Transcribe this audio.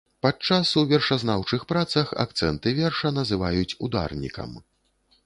Падчас у вершазнаўчых працах акцэнтны верша называюць ударнікам.